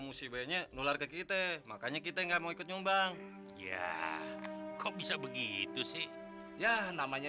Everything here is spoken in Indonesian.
musibahnya nular ke kita makanya kita enggak mau ikut nyumbang ya kok bisa begitu sih ya namanya